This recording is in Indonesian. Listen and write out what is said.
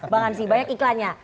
bang hansi banyak iklannya